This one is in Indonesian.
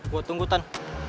gue tunggu tan